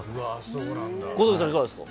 小峠さん、いかがですか。